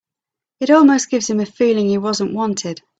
It almost gives him a feeling he wasn't wanted.